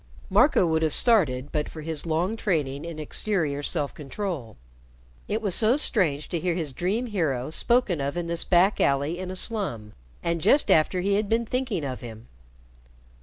Marco would have started but for his long training in exterior self control. It was so strange to hear his dream hero spoken of in this back alley in a slum, and just after he had been thinking of him.